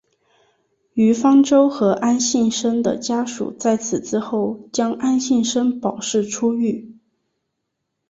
于方舟和安幸生的家属在此之后将安幸生保释出狱。